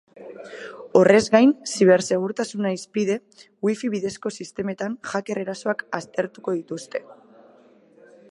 Horrez gain, zibersegurtasuna hizpide, wifi bidezko sistemetan hacker erasoak aztertuko dituzte.